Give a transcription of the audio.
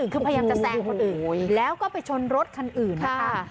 คือพยายามจะแซงคนอื่นแล้วก็ไปชนรถคันอื่นนะคะ